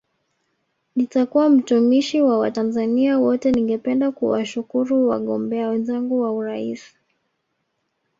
Nitakuwa mtumishi wa Watanzania wote Ningependa kuwashukuru wagombea wenzangu wa urais